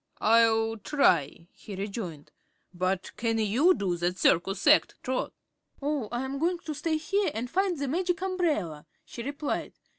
"I'll try," he rejoined. "But, can you do that circus act, Trot?" "Oh, I'm goin' to stay here an' find the Magic Umbrella," she replied.